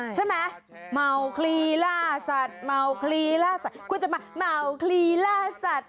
ใช่ไหมเม่าขี้ล่าสัตว์เม่าขี้ล่าสัตว์